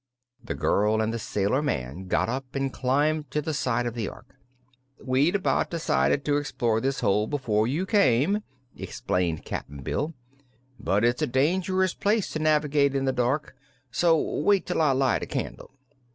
The girl and the sailor man got up and climbed to the side of the Ork. "We'd about decided to explore this hole before you came," explained Cap'n Bill; "but it's a dangerous place to navigate in the dark, so wait till I light a candle."